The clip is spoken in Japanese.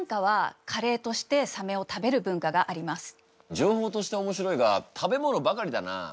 情報として面白いが食べ物ばかりだなあ。